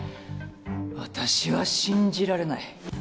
私は信じられない。